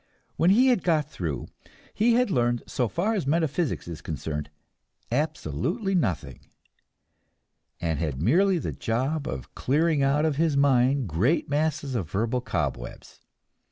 When he had got through, he had learned, so far as metaphysics is concerned, absolutely nothing, and had merely the job of clearing out of his mind great masses of verbal cobwebs.